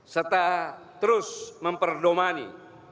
serta terus memperdomani